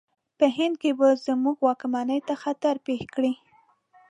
په هند کې به زموږ واکمنۍ ته خطر پېښ کړي.